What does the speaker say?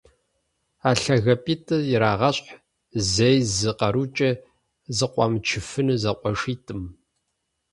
А лъагапIитIыр ирагъэщхь зэи зы къэрукIи зэкъуамычыфыну зэкъуэшитIым